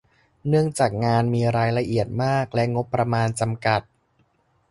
เนื่องจากงานมีรายละเอียดมาก และ งบประมาณจำกัด